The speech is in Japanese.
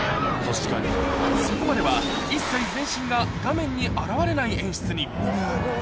そこまでは一切全身が画面に現われない演出に。